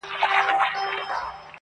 • چي کرۍ ورځ یې په سرو اوښکو تیریږي -